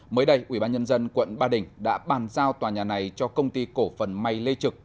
mới đây ubnd quận ba đình đã bàn giao tòa nhà này cho công ty cổ phần may lê trực